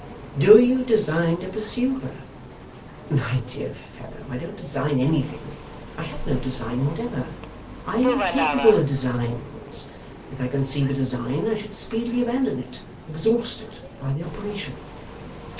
'Do you design to pursue her?' 'My dear fellow, I don't design anything. I have no design whatever. I am incapable of designs. If I conceived a design, I should speedily abandon it, exhausted by the operation.